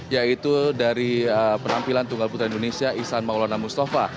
yaitu dari penampilan tunggal putri indonesia isan maulana mustafa